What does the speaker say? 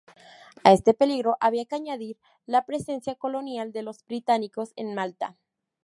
A este peligro había que añadir la presencia colonial de los británicos en Malta.